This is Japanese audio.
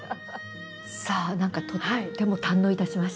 さあ何かとっても堪能いたしました。